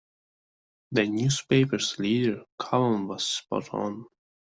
The newspaper’s leader column was spot on.